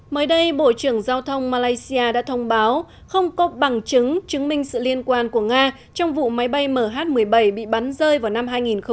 mới đây bộ trưởng giao thông malaysia đã thông báo không có bằng chứng chứng minh sự liên quan của nga trong vụ máy bay mh một mươi bảy bị bắn rơi vào năm hai nghìn một mươi